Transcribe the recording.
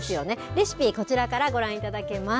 レシピ、こちらからご覧いただけます。